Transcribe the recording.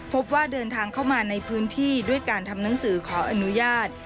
พบว่าเดินทางเข้ามาในพื้นที่ด้วยการทำหนังสือขออนุญาต